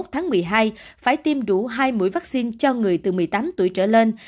tháng một mươi hai phải tiêm đủ hai mũi vaccine cho người từ một mươi tám tuổi trở lên